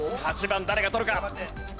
８番誰が取るか？